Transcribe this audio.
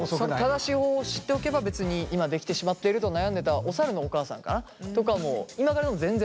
正しい方法を知っておけば別に今できてしまっていると悩んでたおさるのお母さんかな？とかも今からでも全然間に合う？